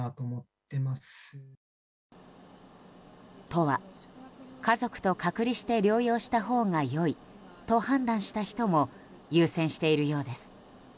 都は、家族と隔離して療養したほうが良いと判断した人も優先しているようです。